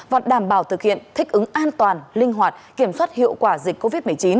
và đảm bảo thực hiện thích ứng an toàn linh hoạt kiểm soát hiệu quả dịch covid một mươi chín